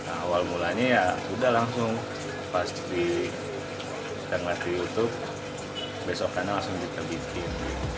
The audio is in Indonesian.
awal mulanya ya sudah langsung pasti kita ngeliat di youtube besok kan langsung kita bikin